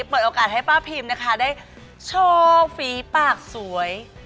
เปิดโอกาสให้ป้าพิมนะคะได้โชว์ฝีปากสวย